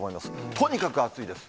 とにかく暑いです。